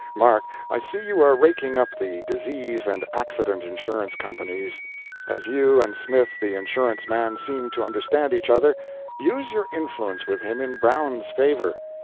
Mark, I see you are raking up the Disease and Accident Insurance Companies. As you and Smith the Insurance man seem to understand each other, use your influence with him in Brown's favor.